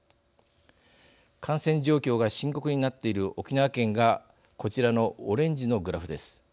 感染状況が深刻になっている沖縄県がこちらのオレンジのグラフです。